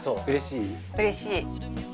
うれしい！